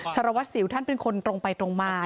สารวัตรสิวท่านเป็นคนตรงไปตรงมา